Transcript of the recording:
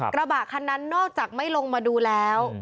กระบะคันนั้นนอกจากไม่ลงมาดูแล้ว